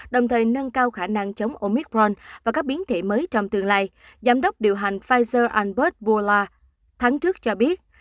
đồng thời nâng cao khả năng chống omicron và các biến thể mới trong tương lai giám đốc điều hành pfizer albert bourla tháng trước cho biết